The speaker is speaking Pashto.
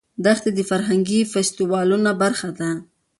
دښتې د فرهنګي فستیوالونو برخه ده.